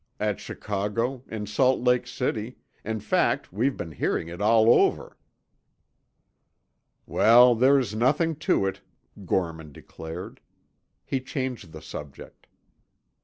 "At Chicago, in Salt Lake City—in fact, we've been hearing it all over." "Well, there's nothing to it," Gorman declared. He changed the subject.